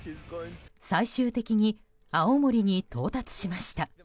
最終的に青森に到達しました。